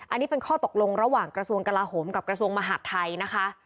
อันนี้เป็นข้อตกลงระหว่างกระทรวงกลาโหมกับกระทรวงมหาดไทยนะคะ